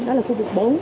đó là khu vực bốn